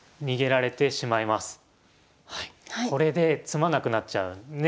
これで詰まなくなっちゃうね。